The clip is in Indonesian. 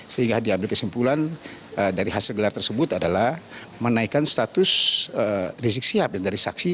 sehingga diambil kesimpulan dari hasil gelar tersebut adalah menaikkan status rizik sihab dari saksi